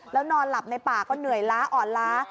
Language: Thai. แล้วนอนหลับในป่าก็เหนื่อยล้าอ่อนล้า